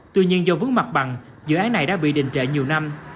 tuy nhiên do vướng mặt bằng dự án này đã bị đình trệ nhiều năm